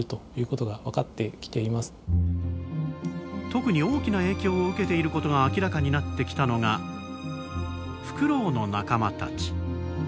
特に大きな影響を受けていることが明らかになってきたのがフクロウの仲間たち。